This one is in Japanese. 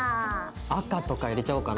赤とか入れちゃおうかな。